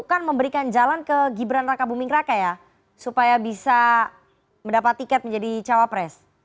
bukan memberikan jalan ke gibran raka buming raka ya supaya bisa mendapat tiket menjadi cawapres